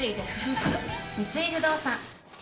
三井不動産淵